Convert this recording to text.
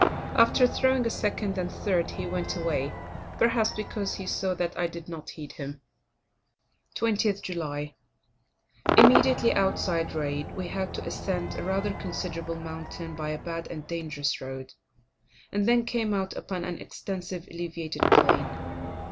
After throwing a second and third, he went away; perhaps because he saw that I did not heed him. 20th July. Immediately outside Raid, we had to ascend a rather considerable mountain by a bad and dangerous road, and then came out upon an extensive elevated plain.